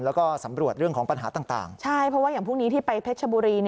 แล้วก็สำรวจเรื่องของปัญหาต่างใช่เพราะว่าอย่างพรุ่งนี้ที่ไปเพชรชบุรี